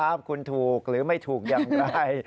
ครับคุณถูกหรือไม่ถูกอย่างไร